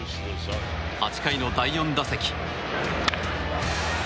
８回の第４打席。